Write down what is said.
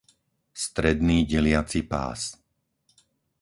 stredný deliaci pás